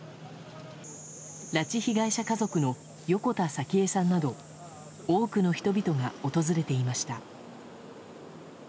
拉致被害者家族の横田早紀江さんなど多くの人々が訪れていました。